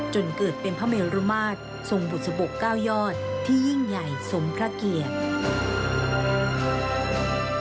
จนเกิดเป็นพระเมรุมาตรทรงบุษบก๙ยอดที่ยิ่งใหญ่สมพระเกียรติ